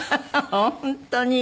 本当に。